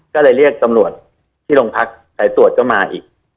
ก็เลยเรียกตำรวจที่โรงพักสายตรวจก็มาอีก